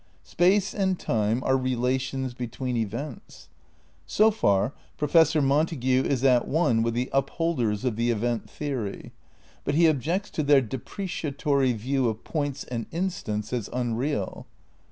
Space and time are relations be tween events. So far Professor Montague is at one with the upholders of the event theory, but he objects to their depreciatory view of points and instants as unreal.